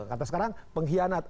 kata sekarang pengkhianat